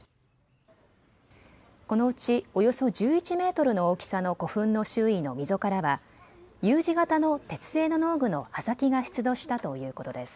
このうちおよそ１１メートルの大きさの古墳の周囲の溝からはＵ字形の鉄製の農具の刃先が出土したということです。